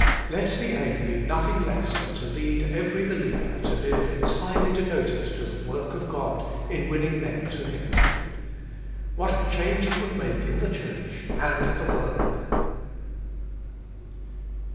Let the aim be nothing less than to lead every believer to live entirely devoted to the work of God in winning men to Him. What a change it would make in the Church and the world